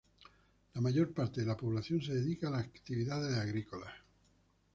La mayor parte de la población se dedica a actividades agrícolas.